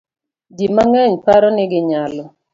Ji mang'eny paro ni ginyalo